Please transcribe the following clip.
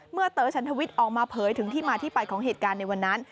เต๋อฉันทวิทย์ออกมาเผยถึงที่มาที่ไปของเหตุการณ์ในวันนั้น